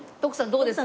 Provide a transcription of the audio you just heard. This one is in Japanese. どうですか？